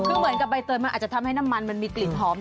คือเหมือนกับใบเตยมันอาจจะทำให้น้ำมันมันมีกลิ่นหอม